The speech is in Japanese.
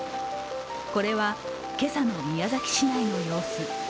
これは今朝の宮崎市内の様子。